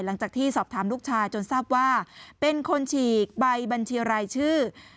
หลังจากที่สอบถามลูกชายจนทราบว่าเป็นคนฉีกใบบัญชีรายชื่อ